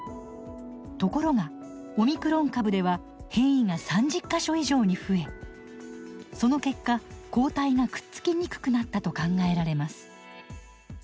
ところがオミクロン株では変異が３０か所以上に増えその結果抗体がくっつきにくくなったと考えられます。